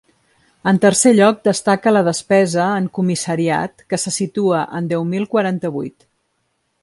En tercer lloc destaca la despesa en comissariat, que se situa en deu mil quaranta-vuit.